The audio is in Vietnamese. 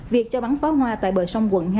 việc cho bắn pháo hoa tại bờ sông quận hai